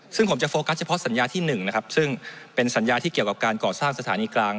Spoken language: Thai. ซึ่งผมจะโฟกัสเฉพาะสัญญาที่๑นะครับซึ่งเป็นสัญญาที่เกี่ยวกับการก่อสร้างสถานีกลาง